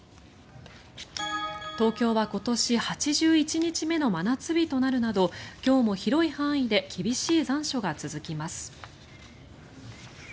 東京は今年８１日目の真夏日となるなど今日も広い範囲で厳しい残暑が続きます。